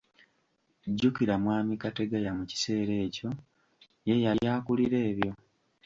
Jjukira Mwami Kategaya mu kiseera ekyo ye yali akulira ebyo.